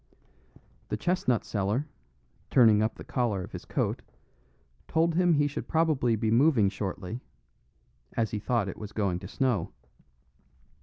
The chestnut seller, turning up the collar of his coat, told him he should probably be moving shortly, as he thought it was going to snow.